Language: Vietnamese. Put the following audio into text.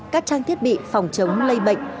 các trang thiết bị phòng chống lây bệnh